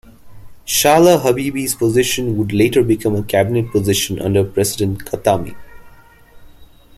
Shahla Habibi's position would later become a cabinet position under President Khatami.